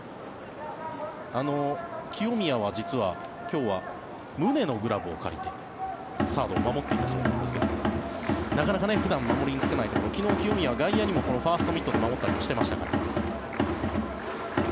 清宮は実は今日は宗のグラブを借りてサードを守っていたそうなんですがなかなか普段守りに就かないところ昨日、清宮はレフトをこのファーストミットで守ったりしてましたから。